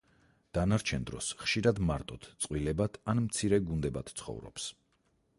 დანარჩენ დროს ხშირად მარტოდ, წყვილებად ან მცირე გუნდებად ცხოვრობს.